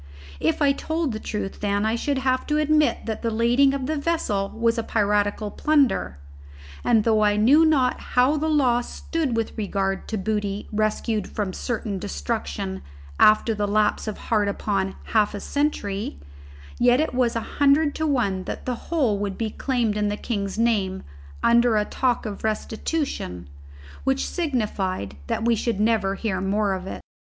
If I told the truth, then I should have to admit that the lading of the vessel was piratical plunder; and though I knew not how the law stood with regard to booty rescued from certain destruction after the lapse of hard upon half a century, yet it was a hundred to one that the whole would be claimed in the king's name under a talk of restitution, which signified that we should never hear more of it.